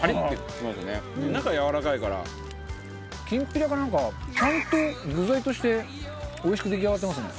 中丸：きんぴらが、なんかちゃんと具材としておいしく出来上がってますね。